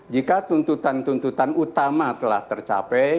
jika tuntutan tuntutan utama telah tercapai